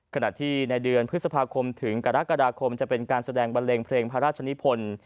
ขณะที่ในเดือนพฤษภาคมถึงกรกฎาคมจะเป็นการแสดงบันเลงเพลงพระราชนิพล